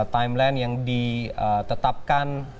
timeline yang ditetapkan